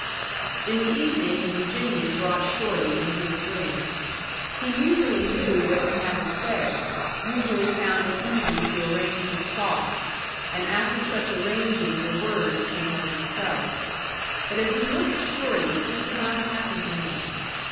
In the evening the Virginian brought Shorty into his room. He usually knew what he had to say, usually found it easy to arrange his thoughts; and after such arranging the words came of themselves. But as he looked at Shorty, this did not happen to him.